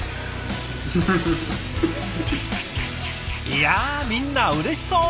いやみんなうれしそう！